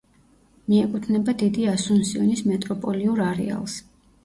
მიეკუთვნება დიდი ასუნსიონის მეტროპოლიურ არეალს.